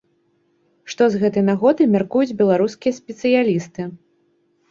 Што з гэтай нагоды мяркуюць беларускія спецыялісты?